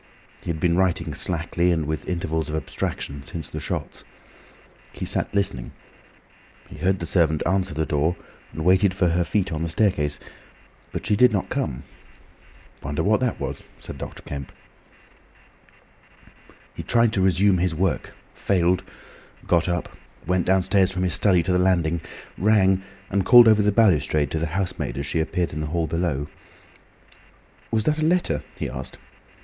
He had been writing slackly, and with intervals of abstraction, since the shots. He sat listening. He heard the servant answer the door, and waited for her feet on the staircase, but she did not come. "Wonder what that was," said Dr. Kemp. He tried to resume his work, failed, got up, went downstairs from his study to the landing, rang, and called over the balustrade to the housemaid as she appeared in the hall below. "Was that a letter?" he asked.